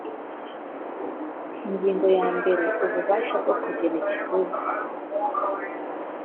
ingingo ya mbere ububasha bwo kugena ikiguzi